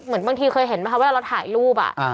เหมือนบางทีเคยเห็นไหมคะว่าเราถ่ายรูปอ่ะอ่า